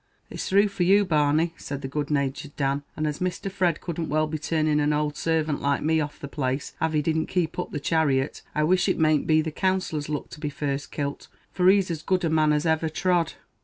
"It's thrue for you, Barney," said the good natured Dan; "and as Mr. Fred couldn't well be turning an owld servant like me off the place av he didn't keep up the chariot, I wish it mayn't be the Counsellor's luck to be first kilt, for he's as good a man as iver trod."